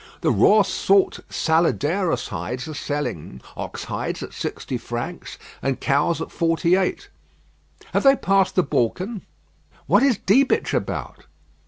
The raw salt Saladeros hides are selling ox hides at sixty francs, and cows' at forty eight. Have they passed the Balkan? What is Diebitsch about?